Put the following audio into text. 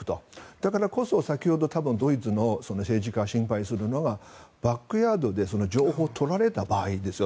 だからこそ先ほどドイツの政治家が心配するのがバックヤードで情報を取られた場合ですよ。